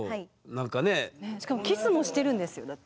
しかもキスもしてるんですよだって。